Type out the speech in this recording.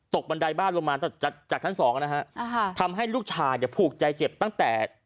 บันไดบ้านลงมาจากจากชั้นสองนะฮะอ่าฮะทำให้ลูกชายเนี่ยผูกใจเจ็บตั้งแต่